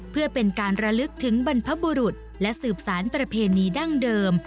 เพื่อเป็นการระลึกถึงบรรพบุรุษและสืบสารประเพณีดั้งเดิม